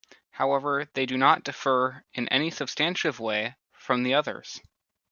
However, they do not differ in any substantive way from the others.